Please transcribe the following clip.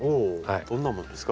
どんなものですか？